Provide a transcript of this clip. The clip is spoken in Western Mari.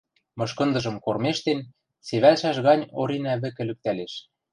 мышкындыжым кормежтен, севӓлшӓш гань Оринӓ вӹкӹ лӱктӓлеш.